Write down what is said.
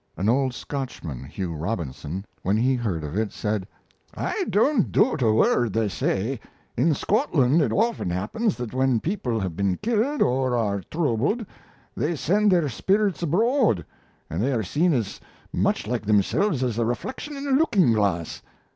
An old Scotchman, Hugh Robinson, when he heard of it, said: "I don't doubt a word they say. In Scotland, it often happens that when people have been killed, or are troubled, they send their spirits abroad and they are seen as much like themselves as a reflection in a looking glass.